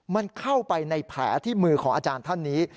มันเข้าไปในแผลที่มือของอาจารย์ท่านนี้